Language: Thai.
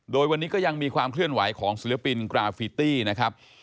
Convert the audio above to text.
โดยวันนี้ก็ยังมีความเคลื่อนไหวของศิลปินกราฟิตี้นะครับ